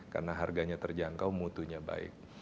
karena harganya terjangkau mutunya baik